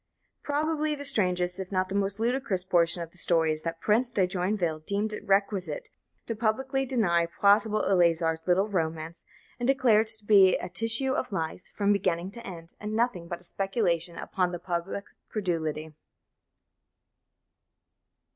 Probably the strangest, if not the most ludicrous portion of this story is, that Prince de Joinville deemed it requisite to publicly deny "plausible" Eleazar's little romance, and to declare it to be a tissue of lies, from beginning to end, and nothing but "a speculation upon the public credulity."